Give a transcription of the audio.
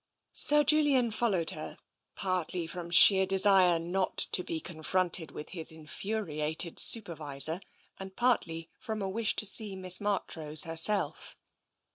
Sir Julian followed her, partly from sheer desire not to be confronted with his infuriated Supervisor, and partly from a wish to see Miss Marchrose herself.